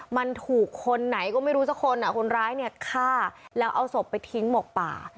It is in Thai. มันถูกคนไหนก็ไม่รู้สักคนคนร้ายเนี่ยฆ่าแล้วเอาศพไปทิ้งหมกป่า